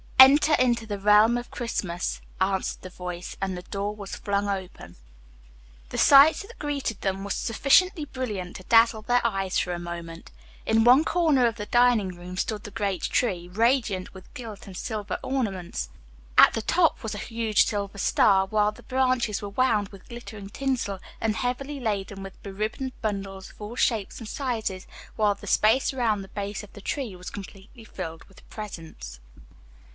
"Enter into the realm of Christmas," answered the voice, and the door was flung open. The sight that greeted them was sufficiently brilliant to dazzle their eyes for a moment. In one corner of the dining room stood the great tree, radiant with gilt and silver ornaments. At the top was a huge silver star, while the branches were wound with glittering tinsel, and heavily laden with beribboned bundles of all shapes and sizes, while the space around the base of the tree was completely filled with presents.